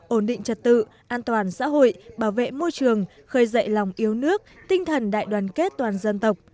ổn định trật tự an toàn xã hội bảo vệ môi trường khơi dậy lòng yêu nước tinh thần đại đoàn kết toàn dân tộc